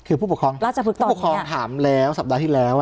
คือผู้ปกครองผู้ปกครองถามแล้วสัปดาห์ที่แล้ว